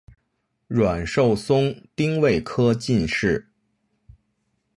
阮寿松丁未科进士。